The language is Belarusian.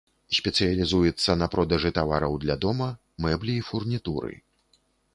Спецыялізуецца на продажы тавараў для дома, мэблі і фурнітуры.